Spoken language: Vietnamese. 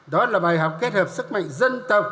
đó là bài học kết hợp sức mạnh dân tộc